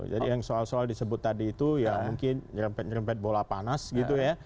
yang soal soal disebut tadi itu ya mungkin nyerempet nyerempet bola panas gitu ya